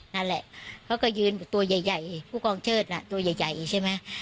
นั่นแหละเขาก็ยืนตัวใหญ่ผู้กองเชิดน่ะตัวใหญ่ใช่ไหม